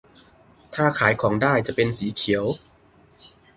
ถ้าขายของได้จะเป็นสีเขียว